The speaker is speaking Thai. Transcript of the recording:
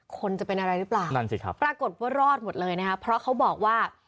คนจะเป็นอะไรหรือเปล่านั่นสิครับปรากฏว่ารอดหมดเลยนะคะเพราะเขาบอกว่า